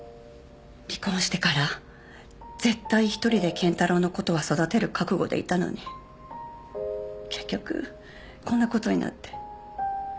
離婚してから絶対一人で健太郎のことは育てる覚悟でいたのに結局こんなことになって。